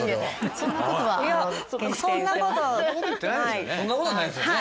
そんなことはないですよね